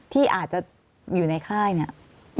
ที่อาจจะอยู่ในค่ายเนี่ย